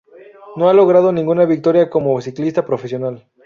No ha logrado ninguna victoria como ciclista profesional.